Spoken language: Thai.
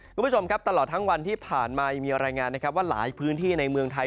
คุณผู้ชมครับตลอดทั้งวันที่ผ่านมายังมีรายงานนะครับว่าหลายพื้นที่ในเมืองไทย